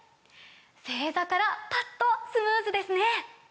正座からパッとスムーズですね！